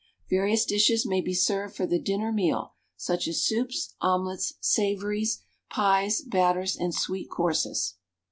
Various dishes may be served for the dinner meal, such as soups, omelettes, savouries, pies, batters, and sweet courses.